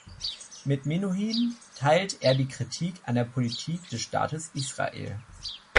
Mit Menuhin teilt er die Kritik an der Politik des Staates Israel.